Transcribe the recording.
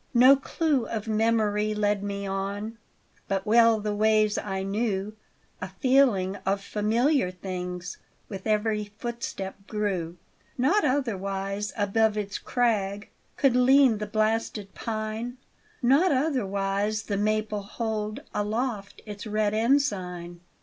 No clue of memory led me on, But well the ways I knew; A feeling of familiar things With every footstep grew. Not otherwise above its crag Could lean the blasted pine; Not otherwise the maple hold Aloft its red ensign.